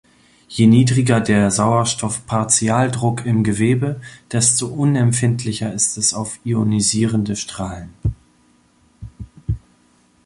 Je niedriger der Sauerstoffpartialdruck im Gewebe, desto unempfindlicher ist es auf ionisierende Strahlen.